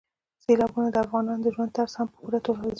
سیلابونه د افغانانو د ژوند طرز هم په پوره توګه اغېزمنوي.